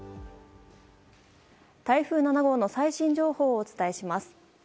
台風７号の最新情報をお伝えします。